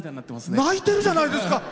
泣いてるじゃないですか。